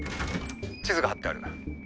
地図が張ってある。